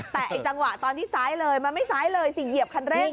แต่ไอ้จังหวะตอนที่ซ้ายเลยมันไม่ซ้ายเลยสิเหยียบคันเร่ง